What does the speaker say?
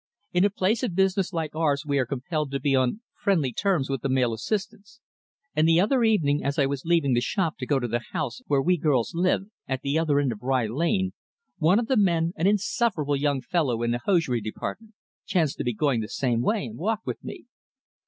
In a place of business like ours we are compelled to be on friendly terms with the male assistants, and the other evening, as I was leaving the shop to go to the house where we girls live, at the other end of Rye Lane, one of the men an insufferable young fellow in the hosiery department chanced to be going the same way and walked with me.